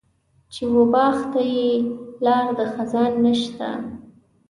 چې و باغ وته یې لار د خزان نشته.